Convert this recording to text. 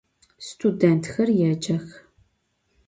Studêntxer yêcex.